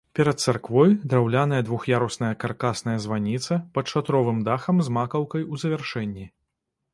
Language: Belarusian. Перад царквой драўляная двух'ярусная каркасная званіца пад шатровым дахам з макаўкай у завяршэнні.